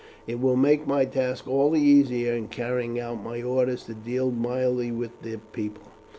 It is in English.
"It will make my task all the easier in carrying out my orders to deal mildly with the people."